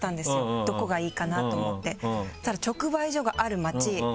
どこがいいかなと思ってそしたら。